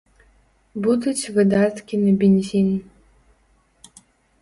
Будуць выдаткі на бензін.